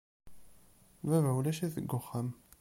Baba ulac-it deg uxxam.